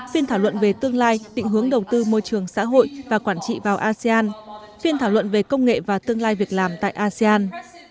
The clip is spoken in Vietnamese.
phiên thảo luận về tương lai tịnh hướng đầu tư môi trường xã hội và quản trị vào asean phiên thảo luận về công nghệ và tương lai việc làm tại asean